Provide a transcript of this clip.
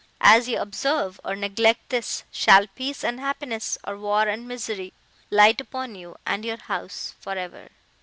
As ye observe, or neglect this, shall peace and happiness, or war and misery, light upon you and your house for ever!"